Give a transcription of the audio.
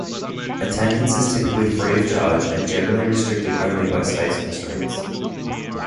Attendance is typically free of charge and generally restricted only by space constraints.